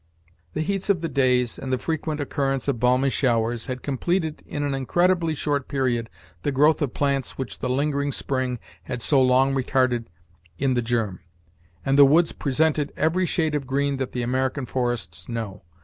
The heats of the days, and the frequent occurrence of balmy showers, had completed in an incredibly short period the growth of plants which the lingering spring had so long retarded in the germ; and the woods presented every shade of green that the American forests know.